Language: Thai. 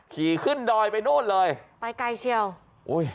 ขี่ขึ้นดอยไปโน่นเลยไปไกลเชียว